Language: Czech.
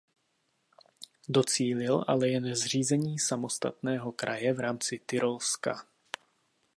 Docílil ale jen zřízení samostatného kraje v rámci Tyrolska.